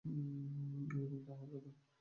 এরকমটাই হওয়ার কথা।